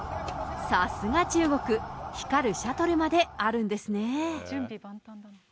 さすが中国、光るシャトルまであるんですね。